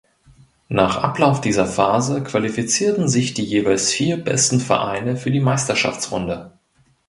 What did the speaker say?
Nach Ablauf dieser Phase qualifizierten sich die jeweils vier besten Vereine für die Meisterschaftsrunde.